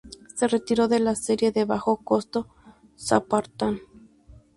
Se retiró de la serie de bajo costo Spartan.